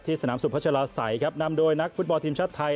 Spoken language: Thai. ที่สนามสุดพัชราใสนำโดยนักฟุตบอลทีมชาติไทย